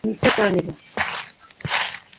নিশ্চয়ই করে নিব।